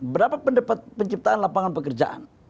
berapa pendapat penciptaan lapangan pekerjaan